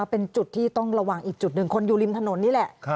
เป็นจุดที่ต้องระวังอีกจุดหนึ่งคนอยู่ริมถนนนี่แหละ